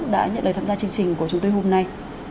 đã nhận lời tham gia chương trình của chúng tôi hôm nay